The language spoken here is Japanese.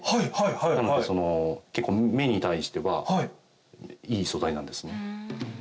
なので結構目に対してはいい素材なんですね。